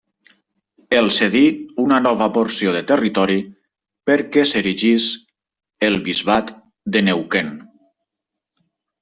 El cedí una nova porció de territori perquè s'erigís el bisbat de Neuquén.